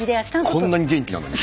こんなに元気なのに？